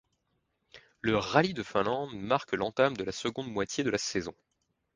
Le rallye de Finlande marque l'entame de la seconde moitié de la saison.